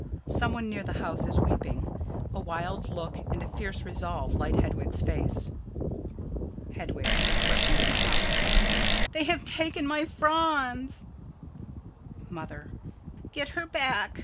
Some one near the house is weeping. A wild look and a fierce resolve light Hedwig's face._] Hedwig: [Rushing from the house.] They have taken my Franz! Mother: Get her back!